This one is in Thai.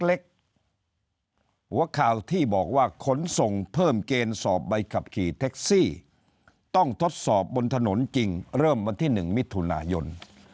หัวข่าวที่บอกว่าขนส่งเพิ่มเกณฑ์สอบใบขับขี่แท็กซี่ต้องทดสอบบนถนนจริงเริ่มวันที่๑มิถุนายน